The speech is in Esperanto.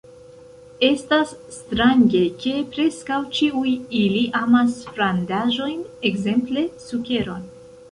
Estas strange, ke preskaŭ ĉiuj ili amas frandaĵojn, ekzemple sukeron.